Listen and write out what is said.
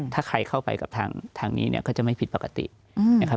ถ้าใครเข้าไปกับทางนี้เนี่ยก็จะไม่ผิดปกตินะครับ